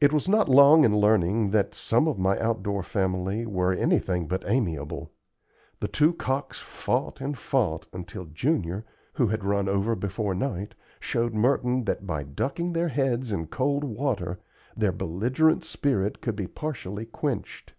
I was not long in learning that some of my outdoor family were anything but amiable. The two cocks fought and fought until Junior, who had run over before night, showed Merton that by ducking their heads in cold water their belligerent spirit could be partially quenched.